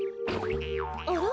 あら？